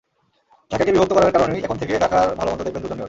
ঢাকাকে বিভক্ত করার কারণেই এখন থেকে ঢাকার ভালো মন্দ দেখবেন দুজন মেয়র।